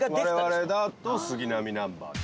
我々だと杉並ナンバー。